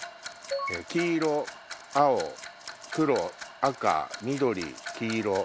黄色青黒赤緑黄色。